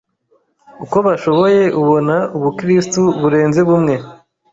uko bashoboye abona ubu kristu burenze bumwe